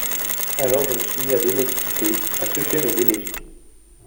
Alors, je me suis mis à donner des soupers… à truffer mes élégies !…